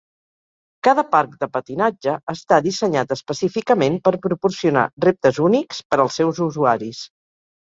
Cada parc de patinatge està dissenyat específicament per proporcionar reptes únics per als seus usuaris.